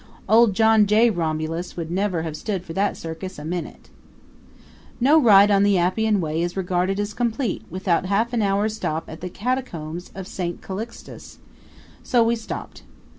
Old John J. Romulus would not have stood for that circus a minute. No ride on the Appian Way is regarded as complete without half an hour's stop at the Catacombs of Saint Calixtus; so we stopped.